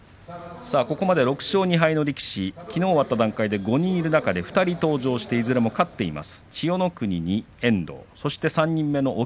ここまで６勝２敗の力士きのう終わった段階で５人いる中で、２人登場していずれも勝っています。